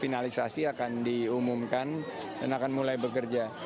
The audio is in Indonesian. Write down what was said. finalisasi akan diumumkan dan akan mulai bekerja